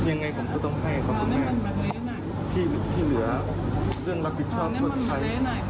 ยังไงผมก็ต้องให้ขอบคุณแม่ที่เหลือเรื่องรับผิดชอบเมืองไทย